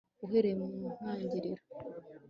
uhereye mu ntangiriro